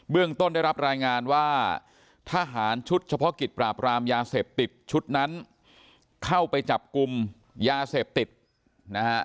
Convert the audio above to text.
เรื่องต้นได้รับรายงานว่าทหารชุดเฉพาะกิจปราบรามยาเสพติดชุดนั้นเข้าไปจับกลุ่มยาเสพติดนะฮะ